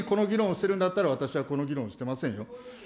春にこの議論をするんだったら、私はこの議論してませんよ。